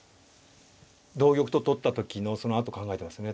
同玉と取った時のそのあと考えてますよね。